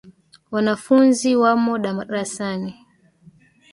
Wanafunzi wamo darasani.